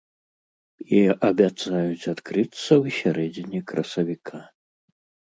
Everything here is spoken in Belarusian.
І абяцаюць адкрыцца ў сярэдзіне красавіка.